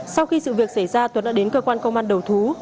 sau khi sự việc xảy ra tuấn đã đến cơ quan công an đầu thú